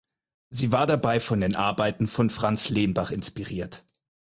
Sie war dabei von den Arbeiten von Franz Lenbach inspiriert.